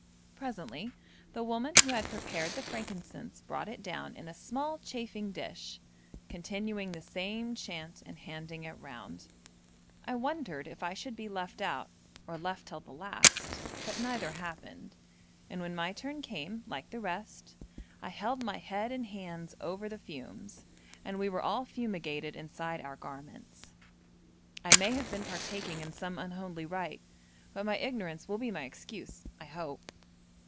Presently the woman who had prepared the frankincense brought it down in a small chafing dish, continuing the same chant and handing it round. I wondered if I should be left out, or left till the last, but neither happened, and when my turn came, like the rest, I held my head and hands over the fumes, and we were all fumigated inside our garments. I may have been partaking in some unholy rite, but my ignorance will be my excuse, I hope.